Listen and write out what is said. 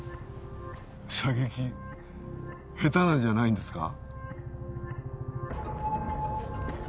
射撃下手なんじゃないんですか？